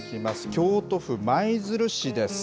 京都府舞鶴市です。